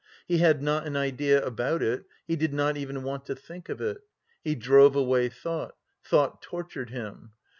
He had not an idea about it, he did not even want to think of it. He drove away thought; thought tortured him.